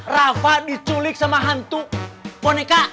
rafa diculik sama hantu boneka